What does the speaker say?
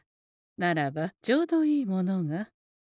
ならばちょうどいいものが。